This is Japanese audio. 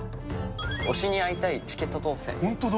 推しに会いたいチケット当せ本当だ。